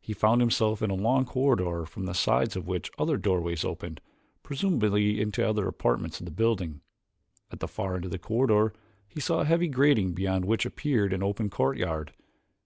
He found himself in a long corridor from the sides of which other doorways opened, presumably into other apartments of the building. At the far end of the corridor he saw a heavy grating beyond which appeared an open courtyard.